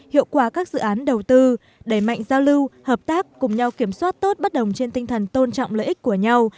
hiệu quả các dự án đầu tư đẩy mạnh giao lưu hợp tác cùng nhau kiểm soát tốt bất đồng trên tinh thần tôn trọng lợi ích của nhau